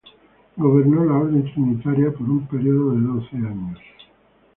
Gobernó la Orden Trinitaria por un período de doce años.